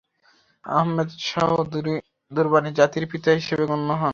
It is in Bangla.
আহমেদ শাহ দুররানি জাতির পিতা হিসেবে গণ্য হন।